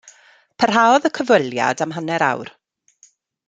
Parhaodd y cyfweliad am hanner awr.